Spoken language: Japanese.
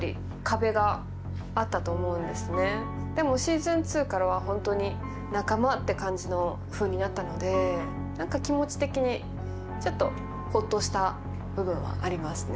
でも「Ｓｅａｓｏｎ２」からは本当に仲間って感じのふうになったので何か気持ち的にちょっとホッとした部分はありますね。